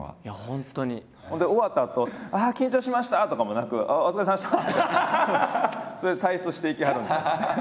ほんで終わったあと「ああ緊張しました！」とかもなく「あっお疲れさまでした」ってそれで退出していきはるんで。